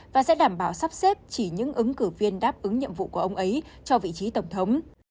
và sẽ đảm bảo sắp xếp chỉ những ứng cử viên đáp ứng nhiệm vụ của ông ấy cho vị trí tổng thống